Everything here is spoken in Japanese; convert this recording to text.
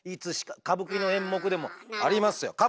歌舞伎の演目でもありますよ。